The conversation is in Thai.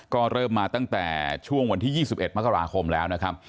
ก็เริ่มมาตั้งแต่ช่วงวันที่๒๑มกราคมแล้วนะครับ